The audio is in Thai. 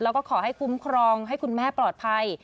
แล้วก็ขอให้คุ้มครองให้คุณแม่ปลอดภัย